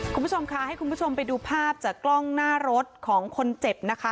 คุณผู้ชมค่ะให้คุณผู้ชมไปดูภาพจากกล้องหน้ารถของคนเจ็บนะคะ